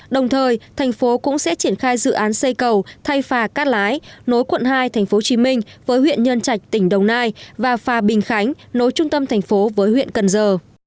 đồng thời thành phố cũng sẽ triển khai dự án xây cầu thay phà cát lái nối quận hai thành phố hồ chí minh với huyện nhân chạch tỉnh đồng nai và phà bình khánh nối trung tâm thành phố với huyện cần giờ